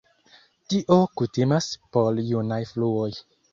Tio kutimas por junaj fluoj.